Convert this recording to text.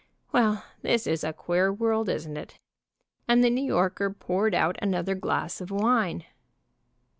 Well, this is a queer world, isn't it?" and the New Yorker poured out another glass of wine.